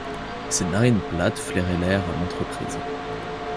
Ses narines plates flairaient l'air, à maintes reprises.